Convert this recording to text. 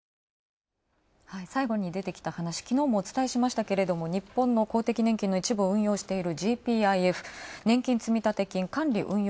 最後に出てきた話は、きのうもお伝えしましたが日本の公的年金の一部を運用しているＧＰＩＦ、年金積立金管理運用